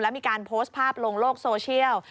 มีการโพสต์ภาพลงโลกโซเชียล